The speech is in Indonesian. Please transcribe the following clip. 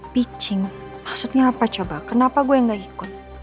picing maksudnya apa coba kenapa gue enggak ikut